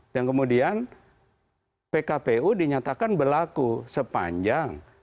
dan kemudian pkpu dinyatakan berlaku sepanjang